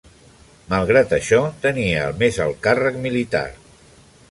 Malgrat això, tenia el més alt càrrec militar.